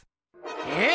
えっ！